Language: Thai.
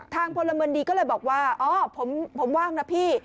พลเมืองดีก็เลยบอกว่าอ๋อผมว่างนะพี่